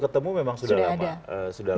ketemu memang sudah lama sudah lama